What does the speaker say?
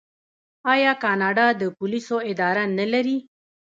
آیا کاناډا د پولیسو اداره نلري؟